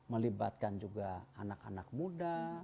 melibatkan juga anak anak muda